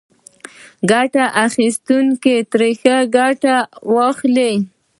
ګټه اخیستونکي ترې ښه ګټه واخلي.